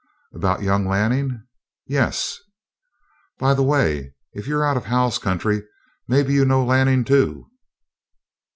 "About young Lanning?" "Yes." "By the way, if you're out of Hal's country, maybe you know Lanning, too?"